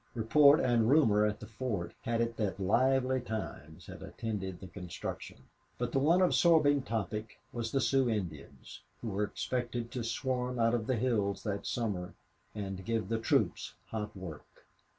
Report and rumor at the fort had it that lively times had attended the construction. But the one absorbing topic was the Sioux Indians, who were expected to swarm out of the hills that summer and give the troops hot work.